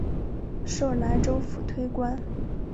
授莱州府推官。